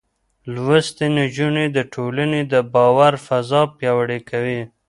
لوستې نجونې د ټولنې د باور فضا پياوړې کوي.